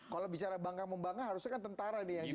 kalau bicara bangka membangga harusnya kan tentara nih yang juga